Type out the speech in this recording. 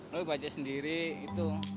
lalu bajet sendiri itu